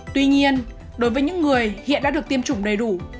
tuy nhiên đối với những người hiện đã được tiêm chủng đầy đủ